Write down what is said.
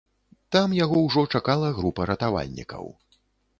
Там яго ўжо чакала група ратавальнікаў.